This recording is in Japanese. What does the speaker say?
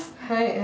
はい。